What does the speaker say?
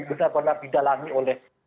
benar benar didalami oleh